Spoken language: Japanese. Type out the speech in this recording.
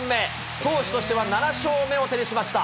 投手としては７勝目を手にしました。